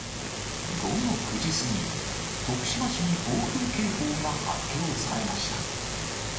午後９時過ぎ、徳島市に暴風警報が発表されました。